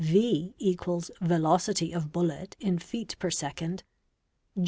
v =velocity of bullet in feet per second.